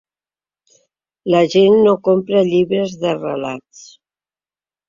La gent no compra llibres de relats.